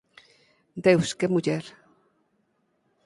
Deus, que muller.